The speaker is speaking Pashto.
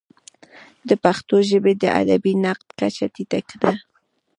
د پښتو ژبې د ادبي نقد کچه ډېره ټیټه ده.